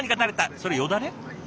それよだれ？